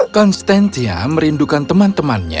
konstantia merindukan teman temannya